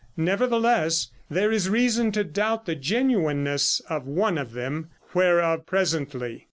Nevertheless there is reason to doubt the genuineness of one of them whereof presently.